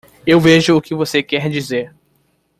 Eu vejo o que você quer dizer.